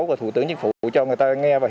với khoảng ba trăm linh người